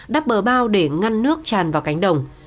đắp bờ bao để ngăn nước tràn vào cánh đồng